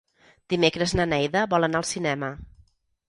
Dimecres na Neida vol anar al cinema.